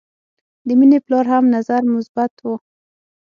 د مینې پلار هم نظر مثبت و